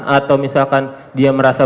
atau misalkan dia merasa